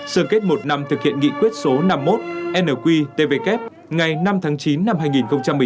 sơ kết một năm thực hiện nghị quyết số năm mươi một nqtvk ngày năm tháng chín năm hai nghìn một mươi chín